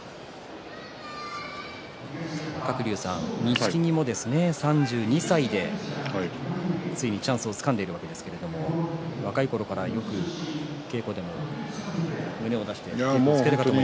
鶴竜さん、錦木も３２歳でついにチャンスをつかんでいるわけですけれど若いころから、よく稽古でも胸を出して。